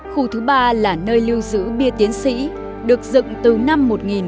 khu thứ ba là nơi lưu giữ bia tiến sĩ được dựng từ năm một nghìn bốn trăm tám mươi bốn